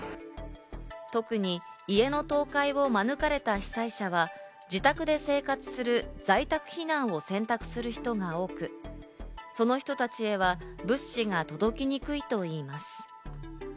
特に家の倒壊を免れた被災者は、自宅で生活する、在宅避難を選択する人が多く、その人たちへは物資が届きにくいといいます。